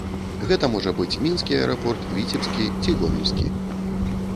Гэта можа быць мінскі аэрапорт, віцебскі ці гомельскі.